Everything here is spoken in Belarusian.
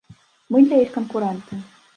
Мы для іх канкурэнты.